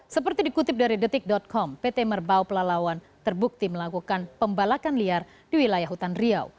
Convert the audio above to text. seperti dikutip dari detik com pt merbau pelalawan terbukti melakukan pembalakan liar di wilayah hutan riau